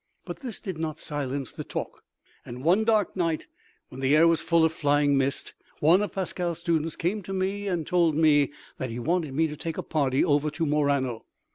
But this did not silence the talk, and one dark night, when the air was full of flying mist, one of Pascale's students came to me and told me that he wanted me to take a party over to Murano.